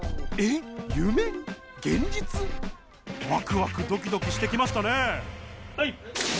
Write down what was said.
ワクワクドキドキしてきましたねはい！